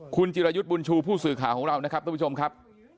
คุณจิรายุทธ์บุญชูผู้สื่อข่าวของเรานะครับทุกผู้ชมครับ